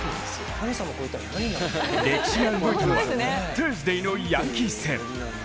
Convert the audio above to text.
歴史が動いたのはサーズデイのヤンキース戦。